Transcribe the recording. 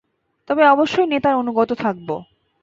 তবে অবশ্যই নেতার অনুগত থাকব।